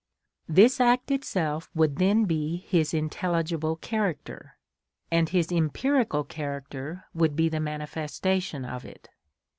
This act itself would then be his intelligible character, and his empirical character would be the manifestation of it.